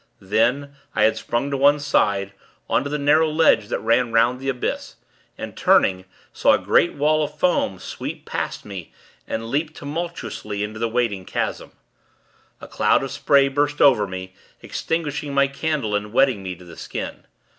Then, I had sprung to one side, on to the narrow ledge that ran 'round the abyss, and, turning, saw a great wall of foam sweep past me, and leap tumultuously into the waiting chasm. A cloud of spray burst over me, extinguishing my candle, and wetting me to the skin.